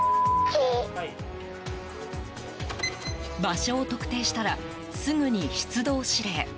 場所を特定したらすぐに出動指令。